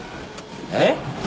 えっ？